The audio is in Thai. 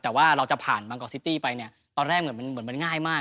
แต่ว่าเราจะผ่านบางกอกซิตี้ไปเนี่ยตอนแรกเหมือนมันง่ายมาก